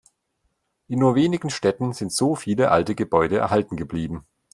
In nur wenigen Städten sind so viele alte Gebäude erhalten geblieben.